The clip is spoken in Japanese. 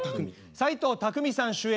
斎藤工さん主演